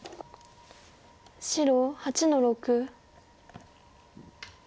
白８の六。